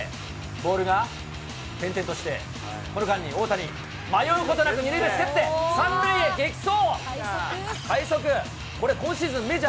ボールが、転々として、この間に大谷、迷うことなく２塁ベースを蹴って、３塁へ激走。